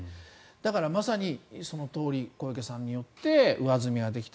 だから、まさにそのとおり小池さんによって上積みはできた。